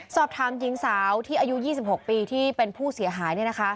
สอบทำหญิงสาวที่อายุยี่สิบหกปีที่เป็นผู้เสียหายเนี่ยนะคะ